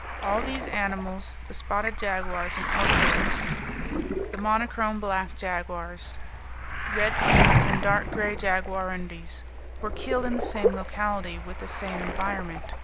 All these animals, the spotted jaguars and ocelots, the monochrome black jaguars, red pumas, and dark gray jaguarundis, were killed in the same locality, with the same environment.